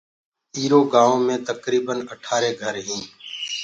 ايٚرو گآئونٚ مي تڪريٚبن اٺآرينٚ گھر هينٚٚ اور